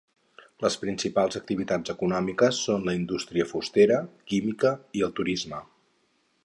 Les principals activitats econòmiques són la indústria fustera, química i el turisme.